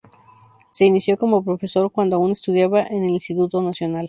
Se inició como profesor cuando aún estudiaba en el Instituto Nacional.